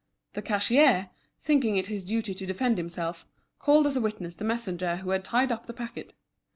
The cashier, thinking it his duty to defend himself, called as a witness the messenger who had tied up the packet.